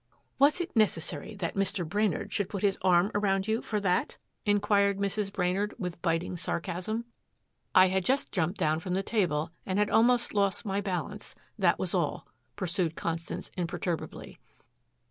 "Was it necessary that Mr. Brainard should put his arm around you for that?" inquired Mrs. Brainard with biting sarcasm. "I had just jumped down from the table and had almost lost my balance that was all," pursued Constance imperturbably.